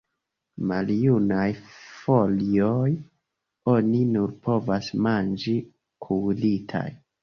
Maljunaj folioj oni nur povas manĝi kuiritaj.